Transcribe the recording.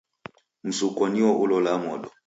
Msukwa nio ulolaa modo.